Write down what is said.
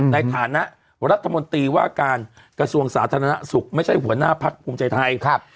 ในฐานะรัฐมนตรีว่าการกระทรวงสาธารณสุขไม่ใช่หัวหน้าพักภูมิใจไทย